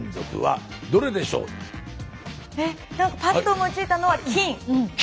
えっパッと思いついたのは金！